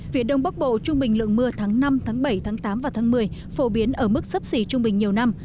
viện đông bắc bộ trung bình lượng mưa tháng năm tháng bảy tháng tám và tháng một mươi phổ biến ở mức sấp xỉ trung bình nhiều năm